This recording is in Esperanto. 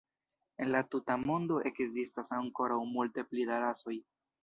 En la tuta mondo ekzistas ankoraŭ multe pli da rasoj.